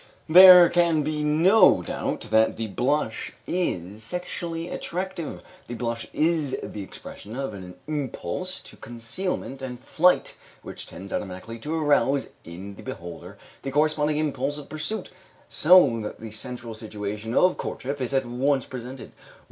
There can be no doubt that the blush is sexually attractive. The blush is the expression of an impulse to concealment and flight, which tends automatically to arouse in the beholder the corresponding impulse of pursuit, so that the central situation of courtship is at once presented.